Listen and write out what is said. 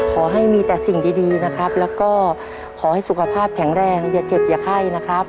ขอให้มีแต่สิ่งดีนะครับแล้วก็ขอให้สุขภาพแข็งแรงอย่าเจ็บอย่าไข้นะครับ